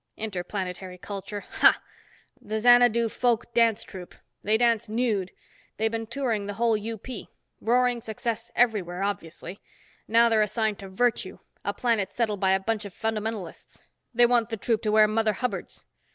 Interplanetary Culture, ha! The Xanadu Folk Dance Troupe. They dance nude. They've been touring the whole UP. Roaring success everywhere, obviously. Now they're assigned to Virtue, a planet settled by a bunch of Fundamentalists. They want the troupe to wear Mother Hubbards.